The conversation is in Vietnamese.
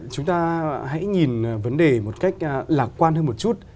chúng ta hãy nhìn vấn đề một cách lạc quan hơn một chút